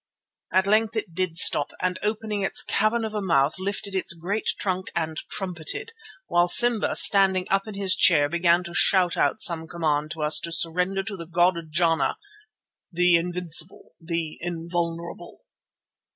At length it did stop and, opening its cavern of a mouth, lifted its great trunk and trumpeted, while Simba, standing up in his chair, began to shout out some command to us to surrender to the god Jana, "the Invincible, the Invulnerable."